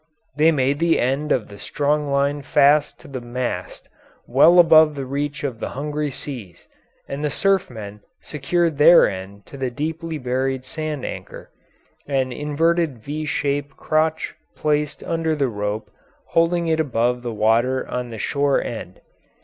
They made the end of the strong line fast to the mast well above the reach of the hungry seas, and the surfmen secured their end to the deeply buried sand anchor, an inverted V shaped crotch placed under the rope holding it above the water on the shore end.